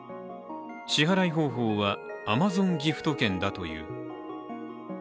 支払い方法はＡｍａｚｏｎギフト券だという。